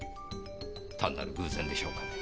単なる偶然でしょうかね。